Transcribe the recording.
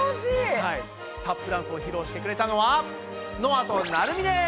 タップダンスを披露してくれたのはのあとなるみです！